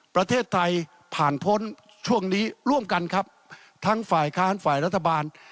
ประเทศไทยผ่านพ้นช่วงนี้ร่วมกันครับทั้งฝ่ายค้านฝ่ายรัฐบาล